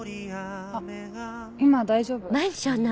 あっ今大丈夫？